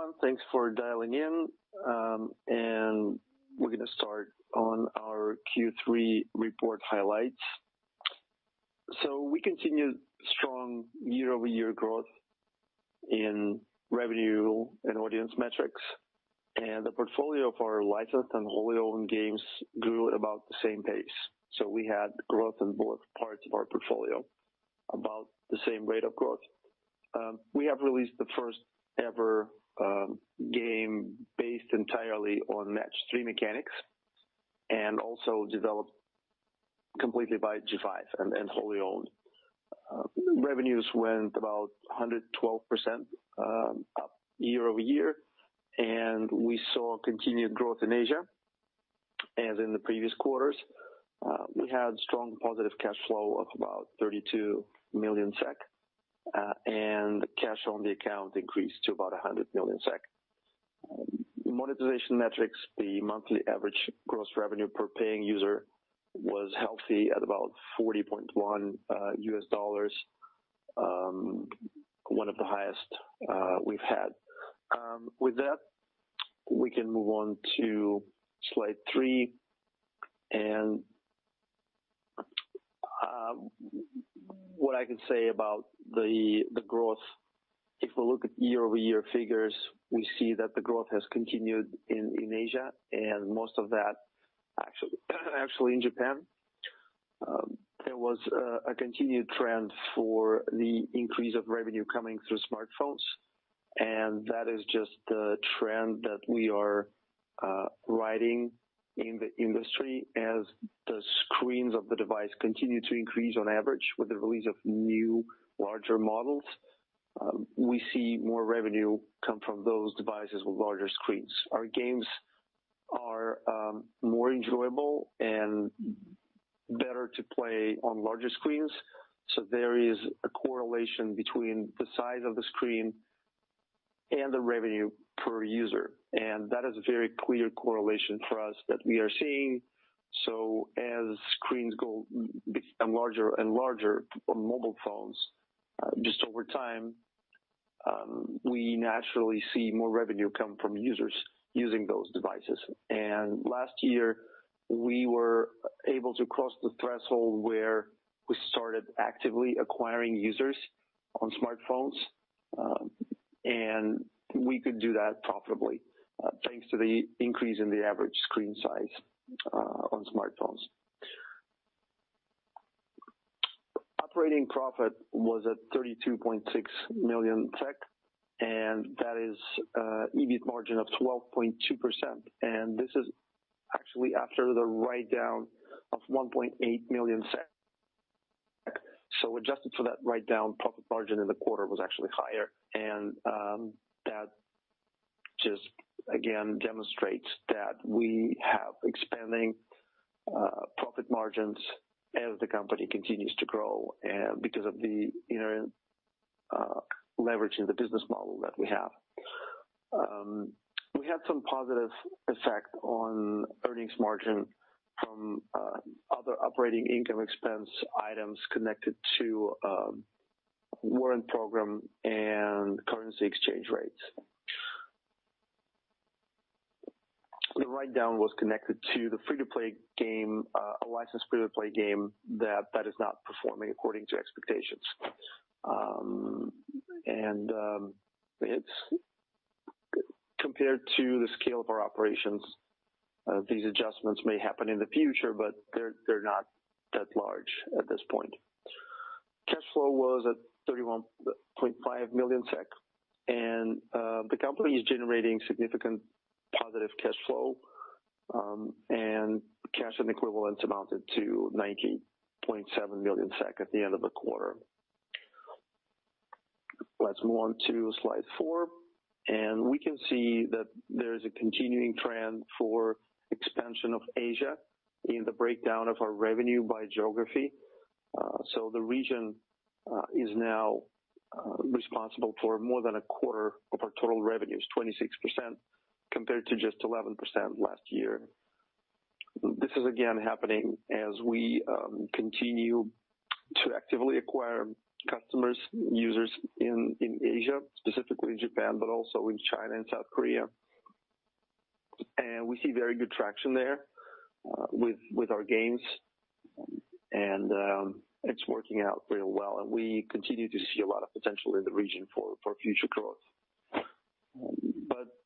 Hello, everyone. Thanks for dialing in. We're going to start on our Q3 report highlights. We continued strong year-over-year growth in revenue and audience metrics, and the portfolio of our licensed and wholly owned games grew at about the same pace. We had growth in both parts of our portfolio, about the same rate of growth. We have released the first ever game based entirely on match-three mechanics, and also developed completely by G5 and wholly owned. Revenues went about 112% up year-over-year, and we saw continued growth in Asia, as in the previous quarters. We had strong positive cash flow of about 32 million SEK, and cash on the account increased to about 100 million SEK. Monetization metrics, the monthly average gross revenue per paying user was healthy at about $40.1, one of the highest we've had. With that, we can move on to slide three. What I can say about the growth, if we look at year-over-year figures, we see that the growth has continued in Asia, Most of that actually in Japan. There was a continued trend for the increase of revenue coming through smartphones, That is just the trend that we are riding in the industry as the screens of the device continue to increase on average with the release of new larger models. We see more revenue come from those devices with larger screens. Our games are more enjoyable and better to play on larger screens, There is a correlation between the size of the screen and the revenue per user. That is a very clear correlation for us that we are seeing. As screens become larger and larger on mobile phones, just over time, we naturally see more revenue come from users using those devices. Last year, we were able to cross the threshold where we started actively acquiring users on smartphones, and we could do that profitably, thanks to the increase in the average screen size on smartphones. Operating profit was at 32.6 million, That is EBIT margin of 12.2%, and this is actually after the write-down of 1.8 million. Adjusted for that write-down, profit margin in the quarter was actually higher, That just, again, demonstrates that we have expanding profit margins as the company continues to grow Because of the leverage in the business model that we have. We had some positive effect on earnings margin from other operating income expense items connected to warrant program and currency exchange rates. The write-down was connected to the licensed free-to-play game that is not performing according to expectations. Compared to the scale of our operations, these adjustments may happen in the future, but they're not that large at this point. Cash flow was at 31.5 million SEK, The company is generating significant positive cash flow, Cash and equivalents amounted to 90.7 million SEK at the end of the quarter. Let's move on to slide four. We can see that there is a continuing trend for expansion of Asia in the breakdown of our revenue by geography. The region is now responsible for more than a quarter of our total revenues, 26%, compared to just 11% last year. This is again happening as we continue to actively acquire customers, users in Asia, specifically Japan, but also in China and South Korea. We see very good traction there with our games, it's working out real well, we continue to see a lot of potential in the region for future growth.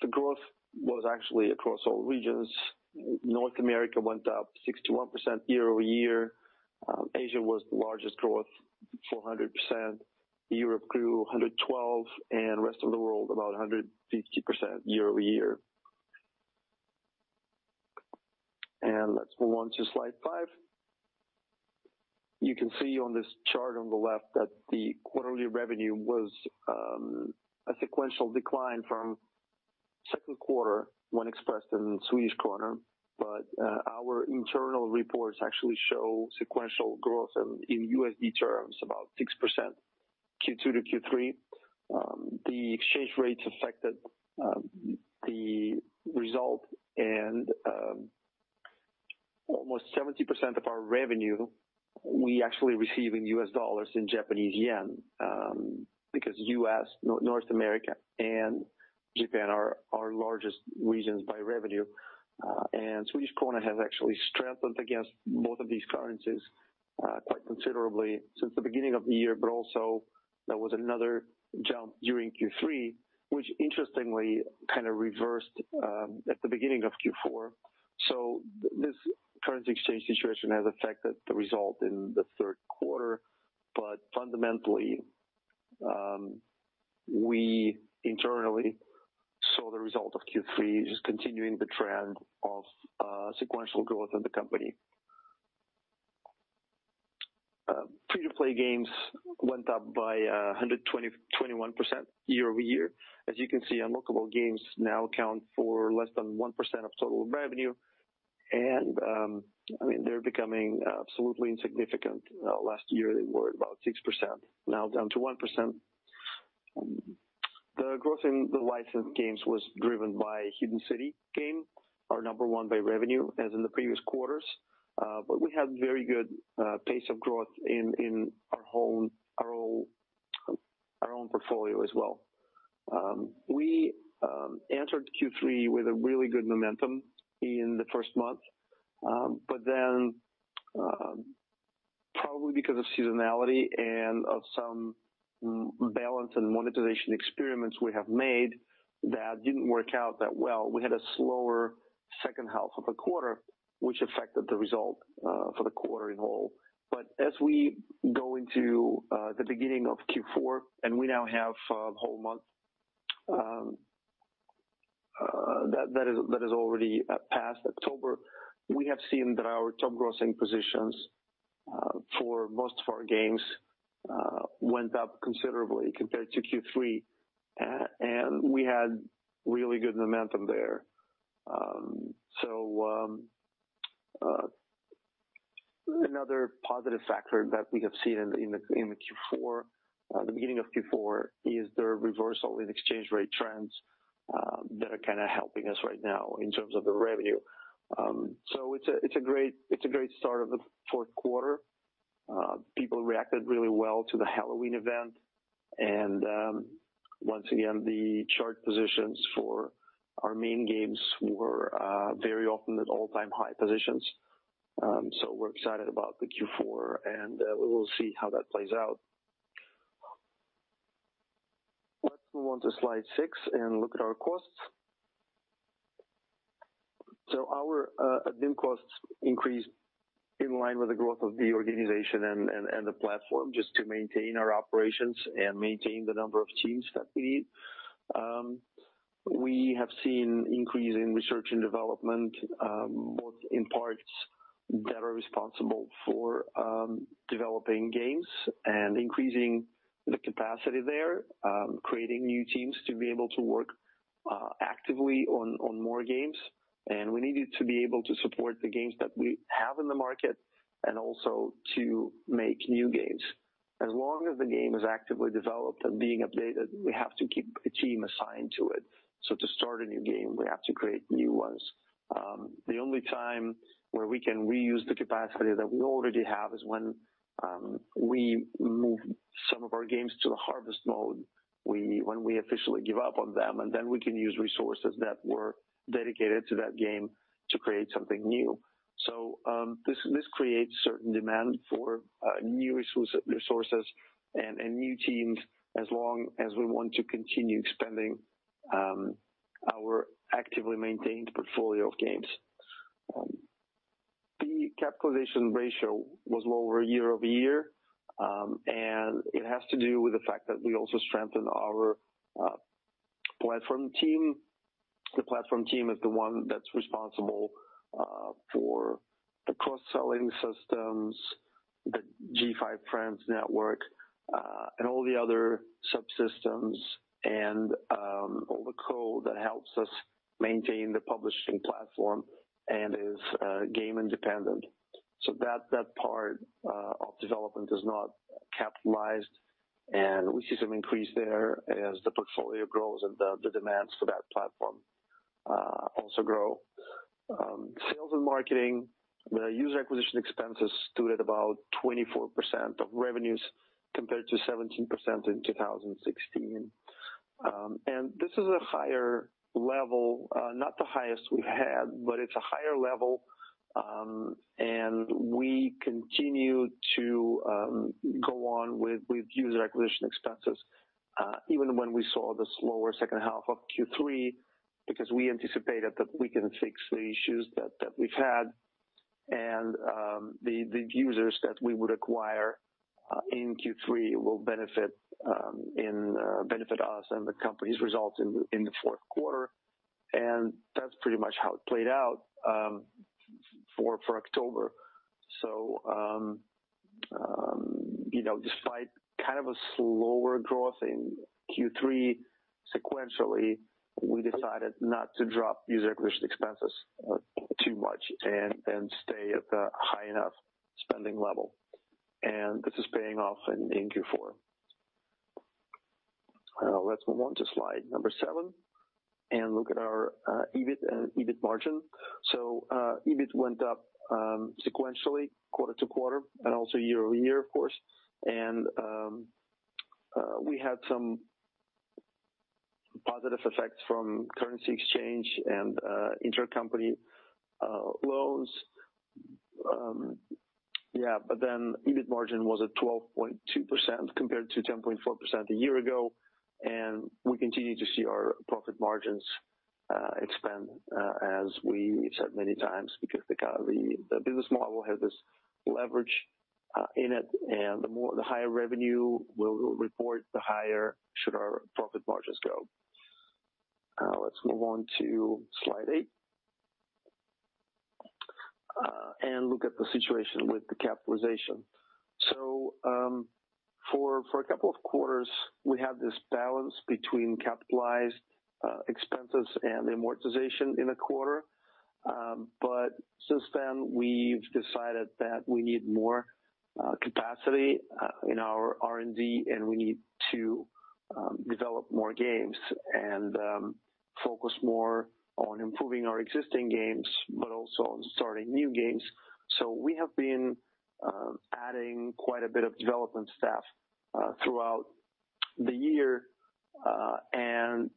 The growth was actually across all regions. North America went up 61% year-over-year. Asia was the largest growth, 400%. Europe grew 112%, rest of the world, about 150% year-over-year. Let's move on to slide five. You can see on this chart on the left that the quarterly revenue was a sequential decline from second quarter when expressed in SEK, but our internal reports actually show sequential growth in USD terms, about 6% Q2 to Q3. The exchange rates affected the result and almost 70% of our revenue, we actually receive in USD and JPY, because U.S., North America, and Japan are our largest regions by revenue. SEK has actually strengthened against both of these currencies quite considerably since the beginning of the year, but also there was another jump during Q3, which interestingly reversed at the beginning of Q4. This currency exchange situation has affected the result in the third quarter, but fundamentally, we internally saw the result of Q3 just continuing the trend of sequential growth in the company. free-to-play games went up by 121% year-over-year. As you can see, unlockable games now account for less than 1% of total revenue. They're becoming absolutely insignificant. Last year, they were about 6%, now down to 1%. The growth in the licensed games was driven by Hidden City, our number one by revenue, as in the previous quarters. We had very good pace of growth in our own portfolio as well. We entered Q3 with a really good momentum in the first month. Then, probably because of seasonality and of some balance and monetization experiments we have made that didn't work out that well, we had a slower second half of the quarter, which affected the result for the quarter in whole. As we go into the beginning of Q4, and we now have a whole month that has already passed October, we have seen that our top grossing positions for most of our games went up considerably compared to Q3. We had really good momentum there. Another positive factor that we have seen in the beginning of Q4 is the reversal in exchange rate trends that are helping us right now in terms of the revenue. It's a great start of the fourth quarter. People reacted really well to the Halloween event. Once again, the chart positions for our main games were very often at all-time high positions. We're excited about the Q4, and we will see how that plays out. Let's move on to slide six and look at our costs. Our admin costs increased in line with the growth of the organization and the platform, just to maintain our operations and maintain the number of teams that we need. We have seen increase in research and development, both in parts that are responsible for developing games and increasing the capacity there, creating new teams to be able to work actively on more games. We needed to be able to support the games that we have in the market and also to make new games. As long as the game is actively developed and being updated, we have to keep a team assigned to it. To start a new game, we have to create new ones. The only time where we can reuse the capacity that we already have is when we move some of our games to the harvest mode, when we officially give up on them, and then we can use resources that were dedicated to that game to create something new. This creates certain demand for new resources and new teams as long as we want to continue expanding our actively maintained portfolio of games. The capitalization ratio was lower year-over-year, and it has to do with the fact that we also strengthened our platform team. The platform team is the one that's responsible for the cross-selling systems, the G5 Friends network, and all the other subsystems, and all the code that helps us maintain the publishing platform and is game independent. That part of development is not capitalized, and we see some increase there as the portfolio grows and the demands for that platform also grow. Sales and marketing, the user acquisition expenses stood at about 24% of revenues compared to 17% in 2016. This is a higher level, not the highest we've had, but it's a higher level, and we continue to go on with user acquisition expenses, even when we saw the slower second half of Q3 because we anticipated that we can fix the issues that we've had and the users that we would acquire in Q3 will benefit us and the company's results in the fourth quarter. That's pretty much how it played out for October. Despite a slower growth in Q3 sequentially, we decided not to drop user acquisition expenses too much and stay at the high enough spending level. This is paying off in Q4. Let's move on to slide seven and look at our EBIT and EBIT margin. EBIT went up sequentially quarter-to-quarter and also year-over-year, of course, and we had some positive effects from currency exchange and intercompany loans. EBIT margin was at 12.2% compared to 10.4% a year ago, and we continue to see our profit margins expand as we said many times because the business model has this leverage in it, and the higher revenue we'll report, the higher should our profit margins go. Let's move on to slide eight, and look at the situation with the capitalization. For a couple of quarters, we had this balance between capitalized expenses and amortization in a quarter. Since then, we've decided that we need more capacity in our R&D, and we need to develop more games and focus more on improving our existing games, but also on starting new games. We have been adding quite a bit of development staff throughout the year, and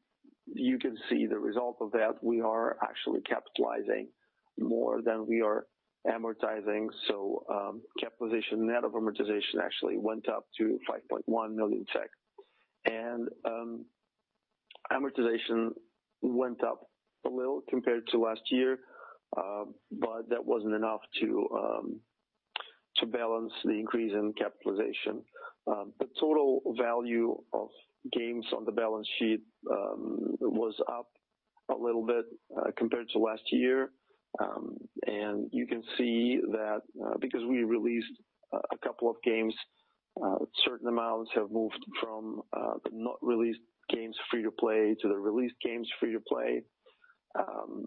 you can see the result of that. We are actually capitalizing more than we are amortizing. Capitalization net of amortization actually went up to 5.1 million SEK. Amortization went up a little compared to last year, but that wasn't enough to balance the increase in capitalization. The total value of games on the balance sheet was up a little bit compared to last year. You can see that because we released a couple of games, certain amounts have moved from the not-released games free-to-play to the released games free-to-play.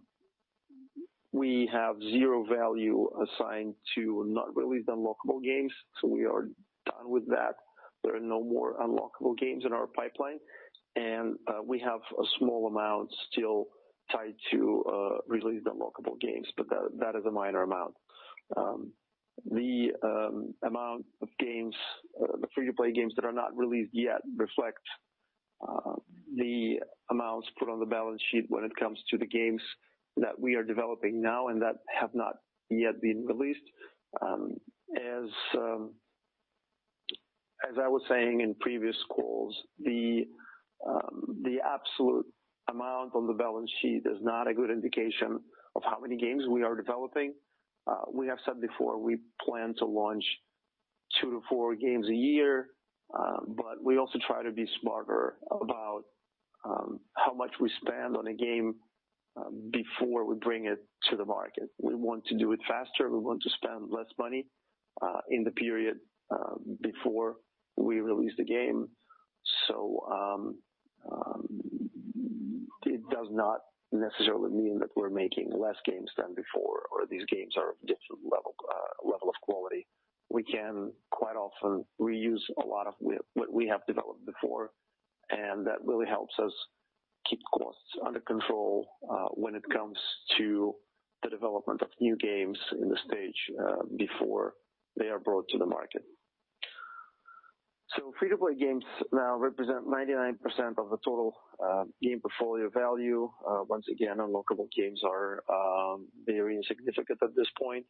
We have zero value assigned to not-released unlockable games. We are done with that. There are no more unlockable games in our pipeline, and we have a small amount still tied to released unlockable games, but that is a minor amount. The amount of free-to-play games that are not released yet reflect the amounts put on the balance sheet when it comes to the games that we are developing now and that have not yet been released. As I was saying in previous calls, the absolute amount on the balance sheet is not a good indication of how many games we are developing. We have said before we plan to launch two to four games a year. We also try to be smarter about how much we spend on a game before we bring it to the market. We want to do it faster. We want to spend less money in the period before we release the game. It does not necessarily mean that we're making less games than before or these games are of different level of quality. We can quite often reuse a lot of what we have developed before, and that really helps us keep costs under control when it comes to the development of new games in the stage before they are brought to the market. Free-to-play games now represent 99% of the total game portfolio value. Once again, unlockable games are very insignificant at this point.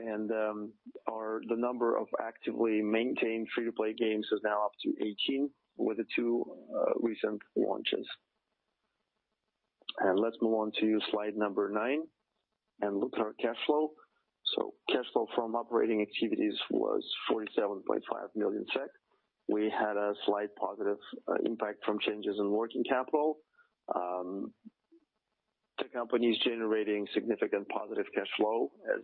The number of actively maintained free-to-play games is now up to 18 with the two recent launches. Let's move on to slide number nine and look at our cash flow. Cash flow from operating activities was 47.5 million SEK. We had a slight positive impact from changes in working capital. The company is generating significant positive cash flow as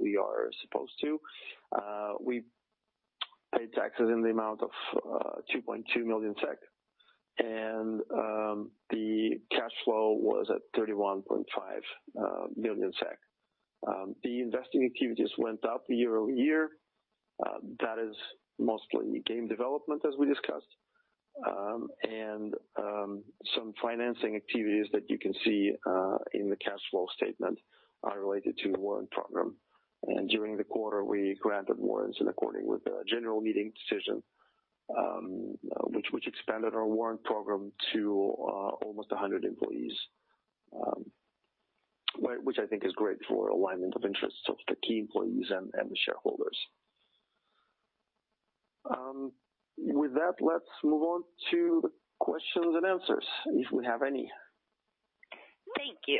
we are supposed to. We paid taxes in the amount of 2.2 million SEK. The cash flow was at 31.5 million SEK. The investing activities went up year-over-year. That is mostly game development, as we discussed. Some financing activities that you can see in the cash flow statement are related to the warrant program. During the quarter, we granted warrants in accordance with the general meeting decision which expanded our warrant program to almost 100 employees, which I think is great for alignment of interests of the key employees and the shareholders. With that, let's move on to the questions and answers, if we have any. Thank you.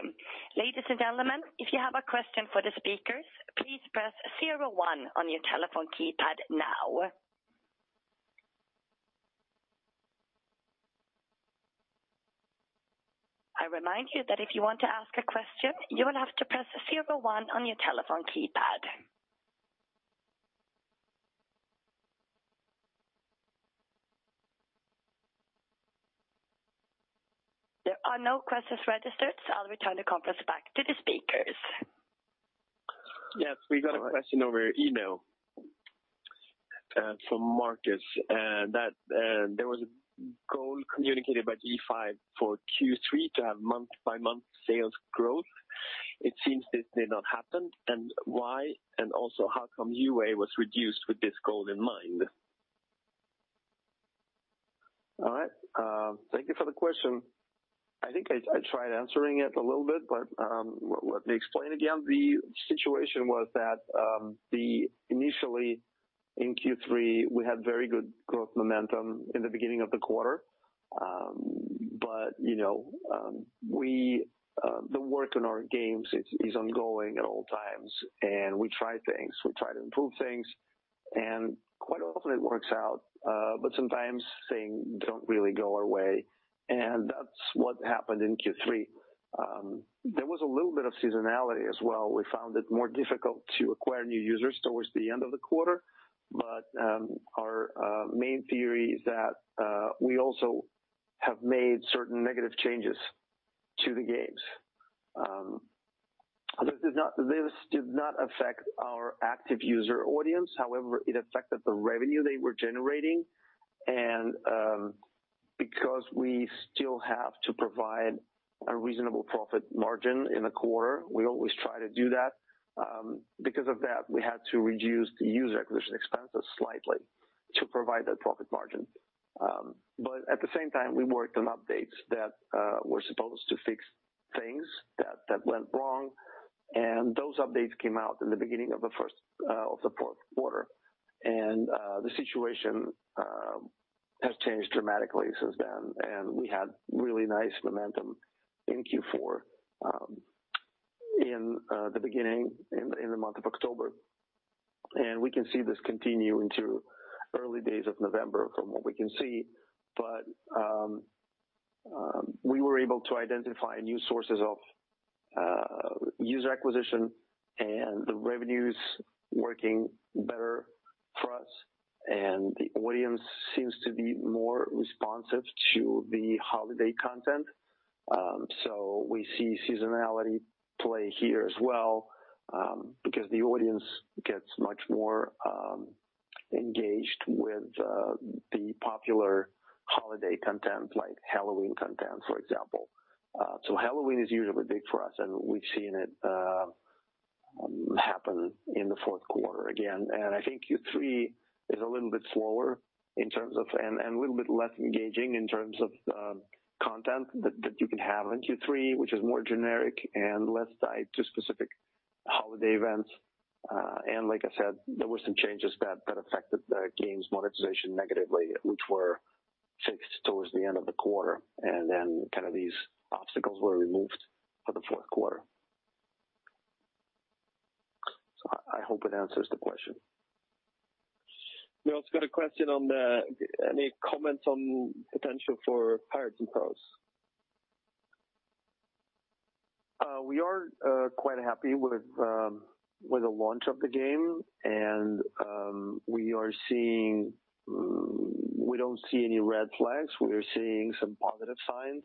Ladies and gentlemen, if you have a question for the speakers, please press zero one on your telephone keypad now. I remind you that if you want to ask a question, you will have to press zero one on your telephone keypad. There are no questions registered, so I'll return the conference back to the speakers. Yes, we got a question over email from Marcus, that there was a goal communicated by G5 for Q3 to have month-by-month sales growth. It seems this did not happen, why? Also, how come UA was reduced with this goal in mind? All right. Thank you for the question. I think I tried answering it a little bit, let me explain again. The situation was that initially in Q3, we had very good growth momentum in the beginning of the quarter. The work on our games is ongoing at all times, and we try things. We try to improve things, and quite often it works out, but sometimes things don't really go our way, and that's what happened in Q3. There was a little bit of seasonality as well. We found it more difficult to acquire new users towards the end of the quarter. Our main theory is that we also have made certain negative changes to the games. This did not affect our active user audience, however, it affected the revenue they were generating, and because we still have to provide a reasonable profit margin in a quarter, we always try to do that. Because of that, we had to reduce the user acquisition expenses slightly to provide that profit margin. At the same time, we worked on updates that were supposed to fix things that went wrong, and those updates came out in the beginning of the fourth quarter. The situation has changed dramatically since then, and we had really nice momentum in Q4 in the beginning, in the month of October. We can see this continue into early days of November from what we can see. We were able to identify new sources of user acquisition, and the revenue's working better for us, and the audience seems to be more responsive to the holiday content. We see seasonality play here as well, because the audience gets much more engaged with the popular holiday content like Halloween content, for example. Halloween is usually big for us, and we've seen it happen in the fourth quarter again. I think Q3 is a little bit slower and a little bit less engaging in terms of content that you can have in Q3, which is more generic and less tied to specific holiday events. Like I said, there were some changes that affected the game's monetization negatively, which were fixed towards the end of the quarter, and then these obstacles were removed for the fourth quarter. I hope it answers the question. We also got a question on any comments on potential for Pirates & Pearls. We are quite happy with the launch of the game, and we don't see any red flags. We are seeing some positive signs.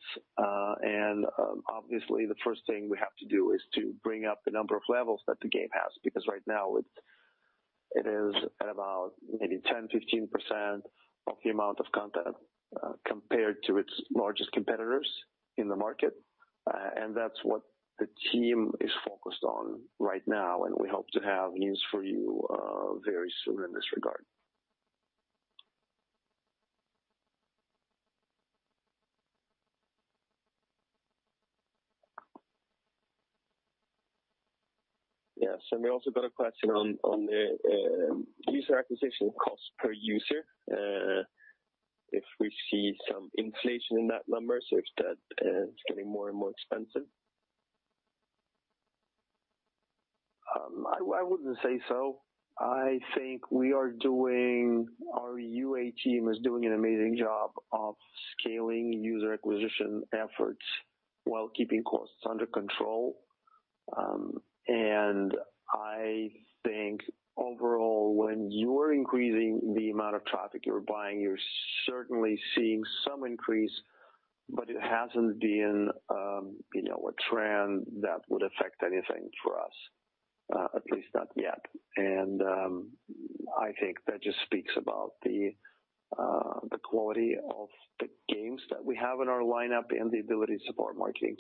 Obviously, the first thing we have to do is to bring up the number of levels that the game has, because right now it is at about maybe 10%, 15% of the amount of content compared to its largest competitors in the market. That's what the team is focused on right now, and we hope to have news for you very soon in this regard. Yes. We also got a question on the user acquisition cost per user, if we see some inflation in that number, so if that is getting more and more expensive. I wouldn't say so. I think our UA team is doing an amazing job of scaling user acquisition efforts while keeping costs under control. I think overall, when you're increasing the amount of traffic you're buying, you're certainly seeing some increase, but it hasn't been a trend that would affect anything for us, at least not yet. I think that just speaks about the quality of the games that we have in our lineup and the ability to support marketing teams